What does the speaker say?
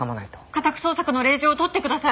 家宅捜索の令状を取ってください！